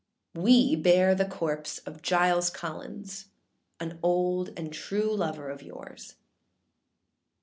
â âWe bear the corpse of Giles Collins, An old and true lover of yours.